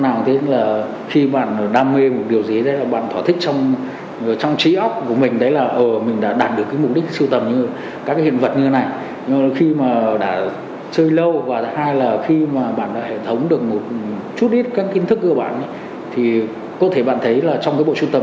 bảo tàng bảo tàng đã đồng ý chia sẻ với bảo tàng bảo tàng